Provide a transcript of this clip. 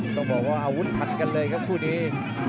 ต้องบอกว่าอาวุธพันกันเลยครับคู่นี้